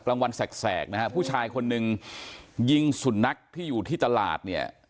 วันแสกนะฮะผู้ชายคนหนึ่งยิงสุนัขที่อยู่ที่ตลาดเนี่ย